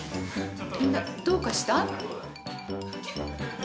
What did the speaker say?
みんなどうかした？